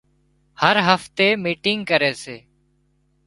هر هفتي ميٽنگ ڪري سي